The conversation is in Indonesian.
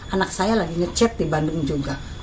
anak saya lagi ngecet di bandung juga